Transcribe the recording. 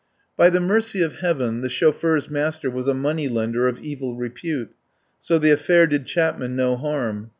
By the mercy of Heaven, the chauffeur's master was a money lender of evil repute, so the affair did Chapman no harm.